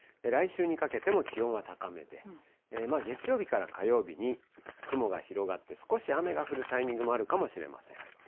来週にかけても気温は高めで、月曜日から火曜日に雲が広がって少し雨が降るタイミングがあるかもしれません。